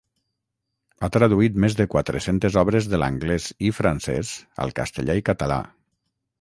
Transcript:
Ha traduït més de quatre-centes obres de l'anglès i francès al castellà i català.